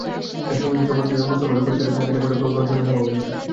এর সমুচিত জবাব দেওয়ার জন্য মুসলমানরাও পরিখার কাছে পর্যাপ্ত পরিমাণ সৈন্য সমাবেশ ঘটায়।